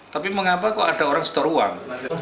tapi mengapa kok ada orang store uang